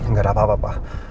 gak ada apa apa